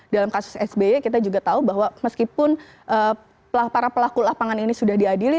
dalam kasus sby kita juga tahu bahwa meskipun para pelaku lapangan ini sudah diadili